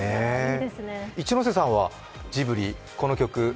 一ノ瀬さんはジブリ、この曲。